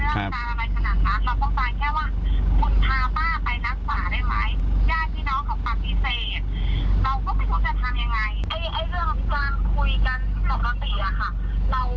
โทษนะ